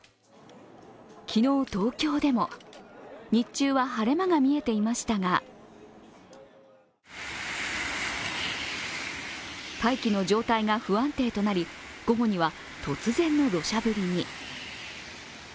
昨日、東京でも日中は晴れ間が見えていましたが大気の状態が不安定となり、午後には突然のどしゃ降りに。